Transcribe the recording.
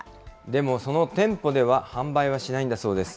でも、その店舗では販売はしないんだそうです。